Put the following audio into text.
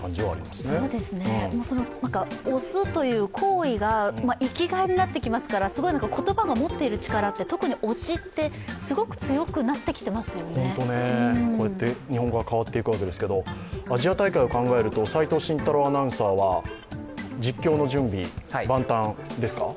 推すという行為が生きがいになっていきますからすごい言葉が持っている力って、特に推しってこうやって日本語が変わっていくわけですがアジア大会を考えると齋藤慎太郎アナウンサーは実況の準備万端ですか？